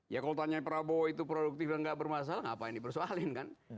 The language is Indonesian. ya kalau tanya prabowo itu produktif dan gak bermasalah ngapain dipersoalin kan